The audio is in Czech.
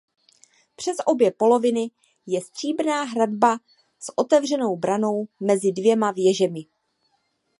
Přes obě poloviny je stříbrná hradba s otevřenou branou mezi dvěma věžemi.